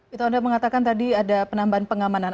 kita sudah mengatakan tadi ada penambahan pengamanan